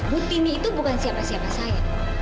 bu tini itu bukan siapa siapa saya